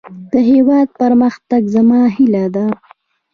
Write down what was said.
د هيواد پرمختګ زما هيله ده.